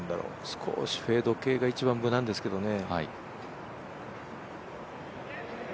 少しフェード系が無難ですけどね。